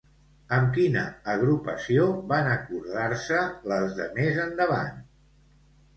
Amb quina agrupació van acordar-se les de més endavant?